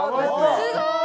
すごい！！